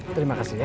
terima kasih ya